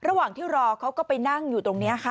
ระหว่างที่รอเขาก็ไปนั่งอยู่ตรงนี้ค่ะ